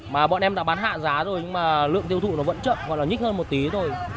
mà bọn em đã bán hạ giá rồi nhưng mà lượng tiêu thụ nó vẫn chậm gọi là nhích hơn một tí rồi